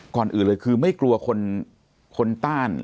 ก่อนอื่นเลยคือไม่กลัวคนต้าน